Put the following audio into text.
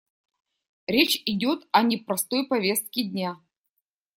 Речь идет о непростой повестке дня.